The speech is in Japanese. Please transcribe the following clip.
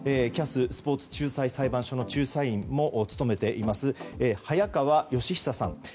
ＣＡＳ・スポーツ仲裁裁判所の仲裁員も務めています早川吉尚さん。